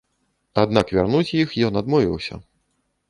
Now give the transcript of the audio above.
Аднак вярнуць іх ён адмовіўся.